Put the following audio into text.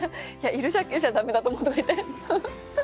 いるだけじゃ駄目だと思う」って。